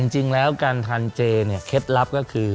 จริงแล้วการทานเจเนี่ยเคล็ดลับก็คือ